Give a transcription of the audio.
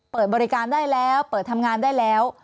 เปิดบริการได้แล้วเปิดทำงานได้แล้ว